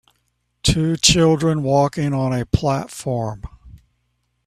Two children walking on a platform.